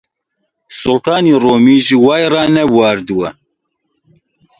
سوڵتانی ڕۆمیش وای ڕانەبواردووە!